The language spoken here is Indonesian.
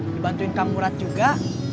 dibantuin kang murad juga